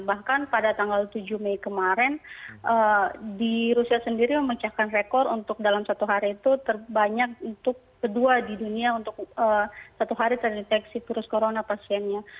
bahkan pada tanggal tujuh mei kemarin di rusia sendiri memecahkan rekor untuk dalam satu hari itu terbanyak untuk kedua di dunia untuk satu hari terdeteksi virus corona pasiennya